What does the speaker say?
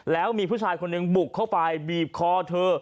แล้วมีผู้ชายคนหนึ่งบุกเข้าไปบีบคอเธอ